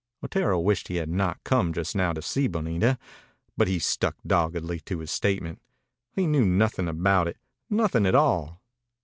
Otero wished he had not come just now to see Bonita, but he stuck doggedly to his statement. He knew nothing about it, nothing at all.